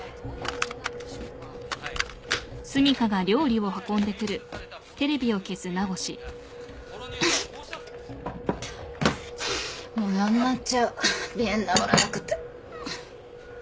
もうやんなっちゃう鼻炎治らなくて。